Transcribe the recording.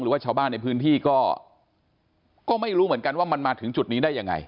หรือว่าชาวบ้านในพื้นที่ก็ไม่รู้เหมือนกันว่ามันมาถึงจุดนี้ได้ยังไง